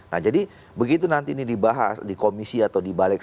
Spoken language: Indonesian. nah jadi begitu nanti ini dibahas di komisi atau dibalik